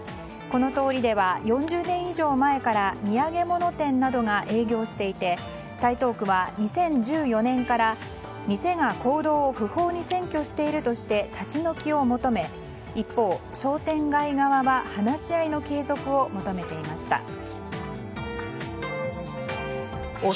この通りでは４０年以上前から土産物店などが営業していて台東区は２０１４年から店が公道を不法に占拠しているとして立ち退きを求め、一方商店街側は話し合いの継続を求めていました。